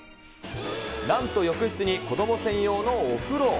なんと、浴室に子ども専用のお風呂。